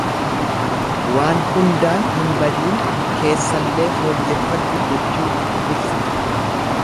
Waan hundaan hin badiin keessallee fooyyeffadhu jechuu ibsa.